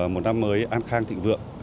một năm mới an khang thịnh vượng